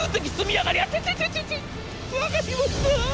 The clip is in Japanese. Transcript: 分かりました。